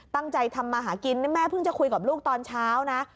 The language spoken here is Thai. ตั้งใจทำมาหากินนี่แม่เพิ่งจะคุยกับลูกตอนเช้านะ